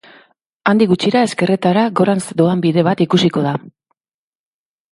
Handik gutxira, ezkerretara, gorantz doan bide bat ikusiko da.